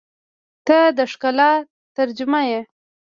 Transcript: • ته د ښکلا ترجمه یې.